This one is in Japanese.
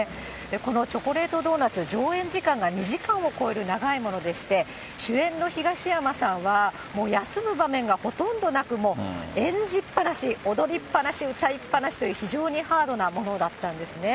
このチョコレートドーナツ、上演時間が２時間を超える長いものでして、主演の東山さんは、もう休む場面がほとんどなく、演じっぱなし、踊りっぱなし、歌いっぱなしという、本当にハードなものだったんですね。